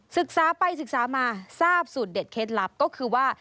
ศึกษาไปศึกษามาทราบสูตรเด็ดเคล็ดลับก็คือว่า